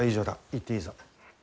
行っていいぞ。